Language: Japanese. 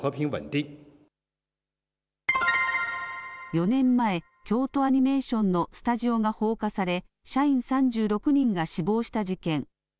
４年前、京都アニメーションのスタジオが放火され、社員３６人が死亡した事件。